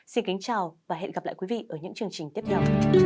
xin kính chào và hẹn gặp lại quý vị ở những chương trình tiếp theo